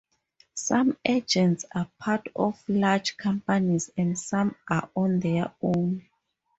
Some agents are part of large companies, and some are on their own.